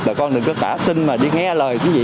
bà con đừng có tả tin mà đi nghe lời cái gì